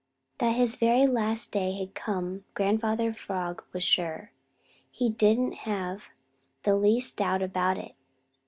That his very last day had come Grandfather Frog was sure. He didn't have the least doubt about it.